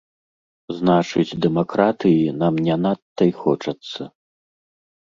Значыць, дэмакратыі нам не надта і хочацца.